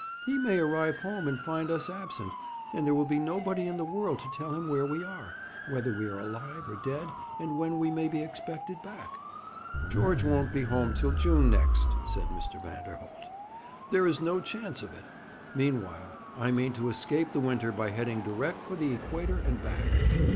'He may arrive home and find us absent, and there will be nobody in the world to tell him where we are whether we are alive or dead, and when we may be expected back.' 'George won't be home till June next.' said Mr. Vanderholt. 'There is no chance of it. Meanwhile, I mean to escape the winter by heading direct for the Equator and back.'